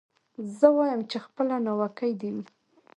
زه وايم چي خپله ناوکۍ دي وي